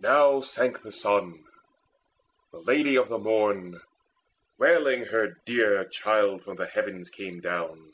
Now sank the sun: the Lady of the Morn Wailing her dear child from the heavens came down.